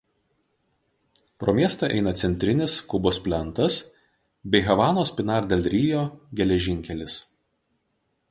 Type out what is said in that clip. Pro miestą eina Centrinis Kubos plentas bei Havanos–Pinar del Rijo geležinkelis.